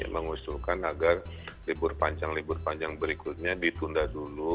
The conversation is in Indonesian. mengusulkan agar libur panjang libur panjang berikutnya ditunda dulu